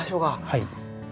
はい。